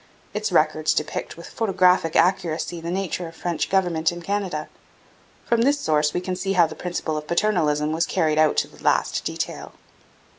Its records depict with photographic accuracy the nature of French government in Canada. From this source we can see how the principle of paternalism was carried out to the last detail.